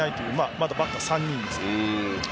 まだバッターは３人ですが。